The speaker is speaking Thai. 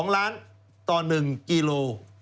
๒ล้านต่อ๑กิโล